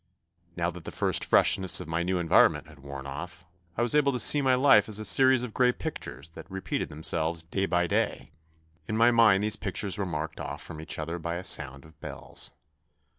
Now that the first freshness of my new environment had worn off, I was able to see my life as a series of grey pictures that re peated themselves day by day. In my mind these pictures were marked off from each other by a sound of bells.